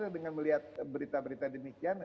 dengan melihat berita berita demikian